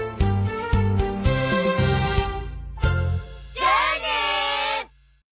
じゃあね！